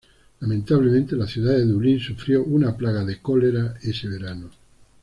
Lamentablemente, la ciudad de Dublín sufrió una plaga de la cólera ese verano.